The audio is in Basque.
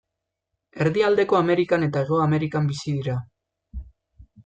Erdialdeko Amerikan eta Hego Amerikan bizi dira.